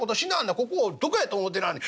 ここをどこやと思ってなはんねん？